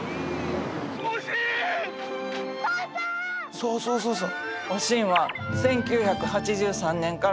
そうそうそうそう。